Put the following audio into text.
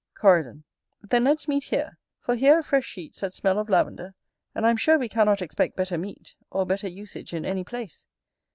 Coridon. Then let's meet here, for here are fresh sheets that smell of lavender; and I am sure we cannot expect better meat, or better usage in any place.